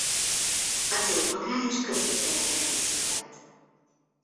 A cég magán- és középületeket díszített.